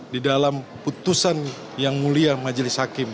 di dalam putusan yang mulia majelis hakim